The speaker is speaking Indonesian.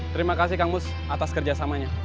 terima kasih kang mus atas kerjasamanya